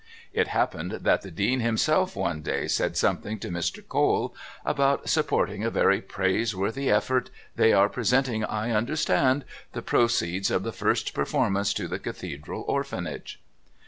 It happened that the Dean himself one day said something to Mr. Cole about "supporting a very praiseworthy effort. They are presenting, I understand, the proceeds of the first performance to the Cathedral Orphanage."